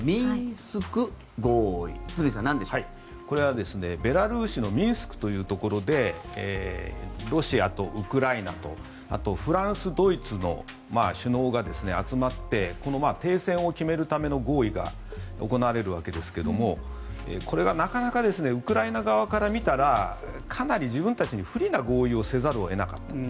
これはベラルーシのミンスクというところでロシアとウクライナとあとフランス、ドイツの首脳が集まって、停戦を決めるための合意が行われるわけですがこれがなかなかウクライナ側から見たらかなり自分たちに不利な合意をせざるを得なかった。